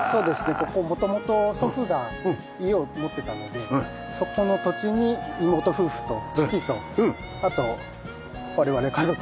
ここ元々祖父が家を持っていたのでそこの土地に妹夫婦と父とあと我々家族で。